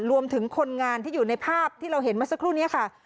รวมถึงคนงานที่อยู่ในภาพที่เราเห็นเมื่อสักครู่นี้ค่ะ